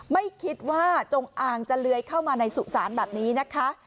ไม่คิดว่าจงอางจะเลื้อยเข้ามาในสุสานแบบนี้นะคะ